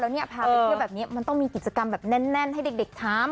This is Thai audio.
แล้วเนี่ยพาไปเที่ยวแบบนี้มันต้องมีกิจกรรมแบบแน่นให้เด็กทำ